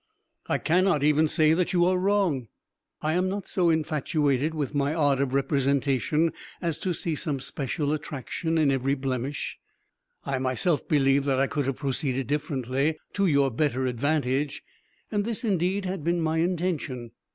I cannot even say that you are wrong. I am not so infatuated with my art of representation as to see some special attraction in every blemish. I myself believe that I could have proceeded differently, to your better advantage, and this indeed had been my intention.